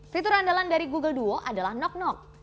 fitur andalan dari google duo adalah knock knock